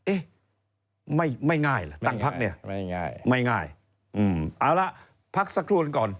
เอ๊ะไม่ง่ายล่ะตั้งพักเนี่ยไม่ง่ายเอาละพักสักครู่หนึ่งก่อน